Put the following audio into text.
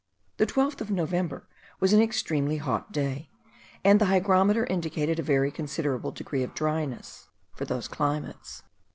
The 12th of November was an extremely hot day, and the hygrometer indicated a very considerable degree of dryness for those climates.